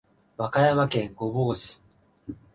和歌山県御坊市